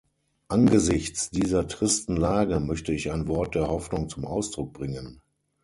Angesichts dieser tristen Lage möchte ich ein Wort der Hoffnung zum Ausdruck bringen.